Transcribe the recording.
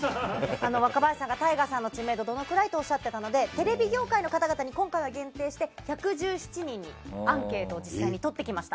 若林さんがＴＡＩＧＡさんの知名度どれぐらいとおっしゃっていたのでテレビ業界の方々に今回は限定して１１７人にアンケートを実際にとってきました。